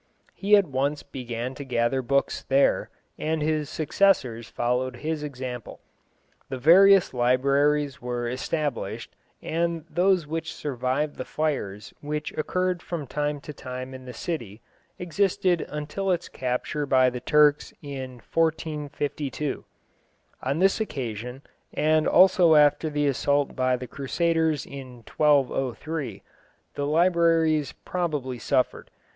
He at once began to gather books there, and his successors followed his example. Thus various libraries were established, and those which survived the fires which occurred from time to time in the city, existed until its capture by the Turks in 1452. On this occasion, and also after the assault by the Crusaders in 1203, the libraries probably suffered.